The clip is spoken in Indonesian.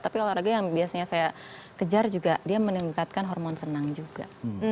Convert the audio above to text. tapi olahraga yang biasanya saya kejar juga dia meningkatkan hormon senang juga